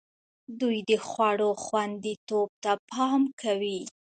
دوی د خوړو خوندیتوب ته پام کوي.